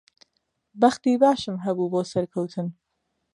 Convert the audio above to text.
بەختی باشم هەبوو بۆ سەرکەوتن.